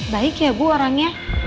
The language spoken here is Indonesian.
baik ya bu orangnya